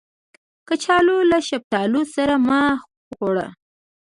کچالو له شفتالو سره مه خوړه